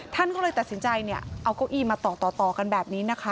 ท่านก็เลยตัดสินใจเอาเก้าอี้มาต่อกันแบบนี้นะคะ